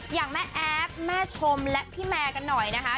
อย่างแม่แอฟแม่ชมและพี่แมร์กันหน่อยนะคะ